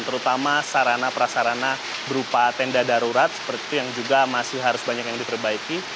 terutama sarana prasarana berupa tenda darurat seperti itu yang juga masih harus banyak yang diperbaiki